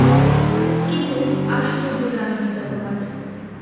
কিন্তু, আশ্চর্য দামিনীর ব্যবহার।